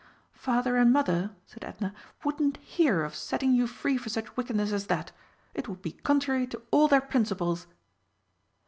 "Father and Mother," said Edna, "wouldn't hear of setting you free for such wickedness as that. It would be contrary to all their principles."